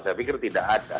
saya pikir tidak ada